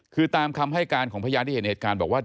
คือตามคำให้การของพยานที่เห็นเหตุการณ์บอกว่า